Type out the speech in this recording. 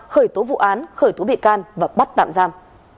khởi tố vụ án khởi tố bị can và bắt tạm giam